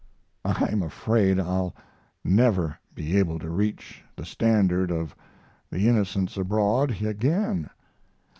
I'm afraid I'll never be able to reach the standard of 'The Innocents Abroad' again.